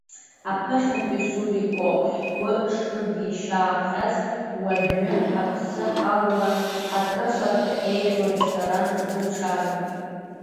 Аԥыхьатәи Сулико ҳгәы шкыдишьаахьаз, уажәы ҳаԥсы ҳалалан, ҳакрыфарҭа еиӷьу ресторанк узыԥшаарым!